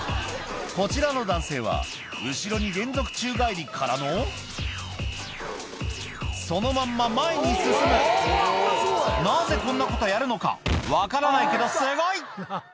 こちらの男性は後ろに連続宙返りからのそのまんま前に進むなぜこんなことやるのか分からないけどすごい！